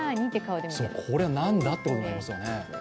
これはなんだと思いますよね？